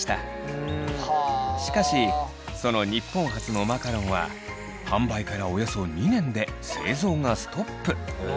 しかしその日本初のマカロンは販売からおよそ２年で製造がストップ。